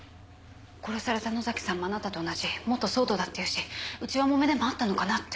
殺された能崎さんもあなたと同じ元ＳＷＯＲＤだっていうし内輪もめでもあったのかなって。